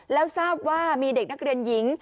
แล้วทราบว่ามีเด็กนักเรียนหญิง